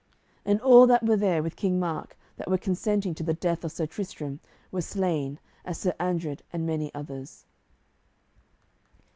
And all that were with King Mark that were consenting to the death of Sir Tristram were slain, as Sir Andred and many others.